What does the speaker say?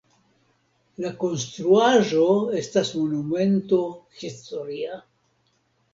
La konstruaĵo estas monumento historia.